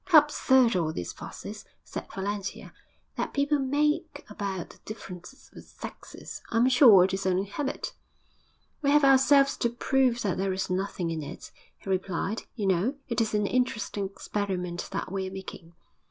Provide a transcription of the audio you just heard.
'How absurd all this fuss is,' said Valentia, 'that people make about the differences of the sexes! I am sure it is only habit.' 'We have ourselves to prove that there is nothing in it,' he replied. 'You know, it is an interesting experiment that we are making.'